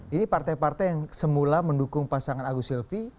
ini partai partai yang semula mendukung pasangan agus silvi